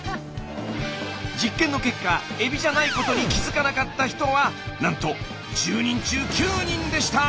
実験の結果エビじゃないことに気付かなかった人はなんと１０人中９人でした！